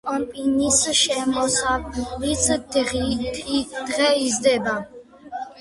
კომპანიის შემოსავალი დღითიდღე იზრდება.